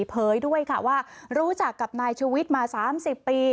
ด้วยค่ะว่ารู้จักกับนายชูวิทย์มา๓๐ปี